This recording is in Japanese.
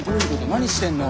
何してんの？